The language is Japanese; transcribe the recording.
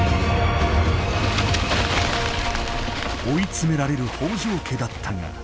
追い詰められる北条家だったが。